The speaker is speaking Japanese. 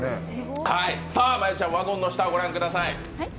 真悠ちゃん、ワゴンの下、ご覧ください。